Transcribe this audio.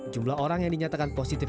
jumlah orang yang dinyatakan positif